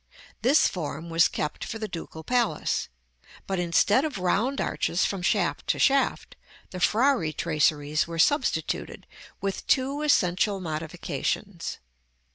This form was kept for the Ducal Palace; but instead of round arches from shaft to shaft, the Frari traceries were substituted, with two essential modifications.